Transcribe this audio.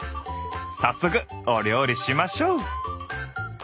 早速お料理しましょう！